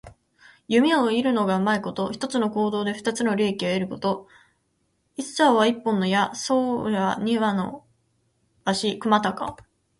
弓を射るのがうまいこと。一つの行動で二つの利益を得ること。「一箭」は一本の矢、「双雕」は二羽の鷲。くまたか。